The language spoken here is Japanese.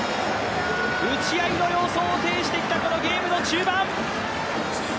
打ち合いの様相を呈してきたこのゲームの中盤。